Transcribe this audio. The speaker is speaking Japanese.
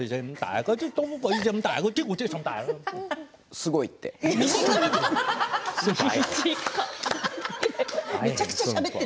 すごいって。